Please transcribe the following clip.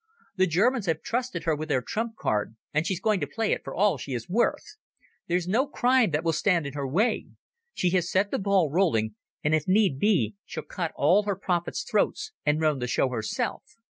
The Germans have trusted her with their trump card, and she's going to play it for all she is worth. There's no crime that will stand in her way. She has set the ball rolling, and if need be she'll cut all her prophets' throats and run the show herself